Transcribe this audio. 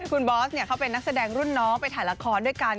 คุณบอสเขาเป็นนักแสดงรุ่นน้องไปถ่ายละครด้วยกัน